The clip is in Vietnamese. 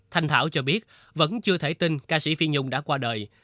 thanh thảo cho biết vẫn chưa thể tin ca sĩ phi nhung đã qua đời